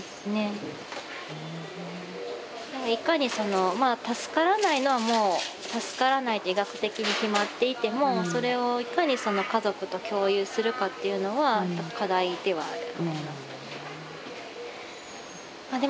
いかにそのまあ助からないのはもう助からないって医学的に決まっていてもそれをいかにその家族と共有するかっていうのは課題ではあるなと思います。